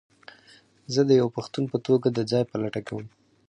زه د یوه پښتون په توګه د ځاى په لټه کې وم.